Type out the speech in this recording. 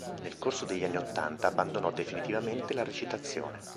Nel corso degli anni ottanta abbandonò definitivamente la recitazione.